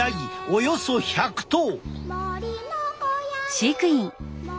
およそ１００頭！